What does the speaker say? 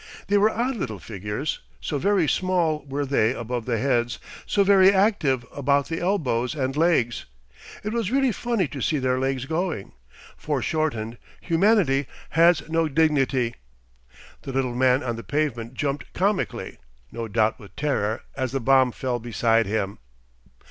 They were odd little figures, so very small were they about the heads, so very active about the elbows and legs. It was really funny to see their legs going. Foreshortened, humanity has no dignity. The little man on the pavement jumped comically no doubt with terror, as the bomb fell beside him.